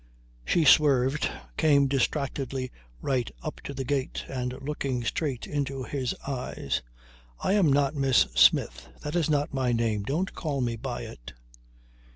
She swerved, came distractedly right up to the gate and looking straight into his eyes: "I am not Miss Smith. That's not my name. Don't call me by it."